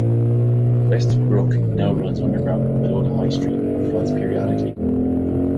West Brook now runs underground below the High Street, but floods periodically.